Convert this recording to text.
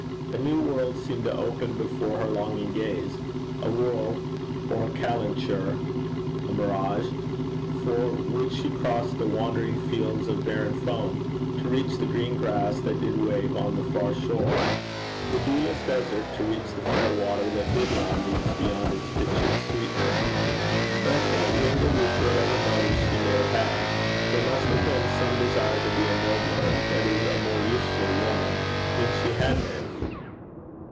A new world seemed to open before her longing gaze a world, or a calenture, a mirage? for would she cross the 'wandering fields of barren foam,' to reach the green grass that did wave on the far shore? the dewless desert to reach the fair water that did lie leagues beyond its pictured sweetness? But I think, mingled with whatever motives she may have had, there must have been some desire to be a nobler, that is a more useful woman than she had been.